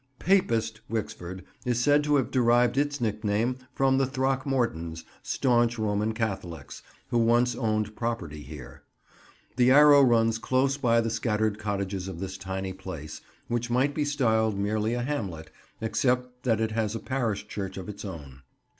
"Papist" Wixford is said to have derived its nickname from the Throckmortons, staunch Roman Catholics, who once owned property here. The Arrow runs close by the scattered cottages of this tiny place, which might be styled merely a hamlet, except that it has a parish church of its own.